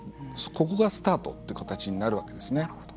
ここがスタートという形になるわけですね。